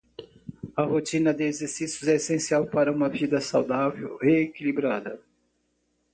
A rotina de exercícios é essencial para uma vida saudável e equilibrada.